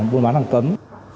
buôn bán hàng cấm